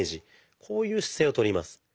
こういう姿勢をとります。